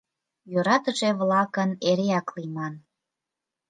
Йӧратыше-влакын эреак лийман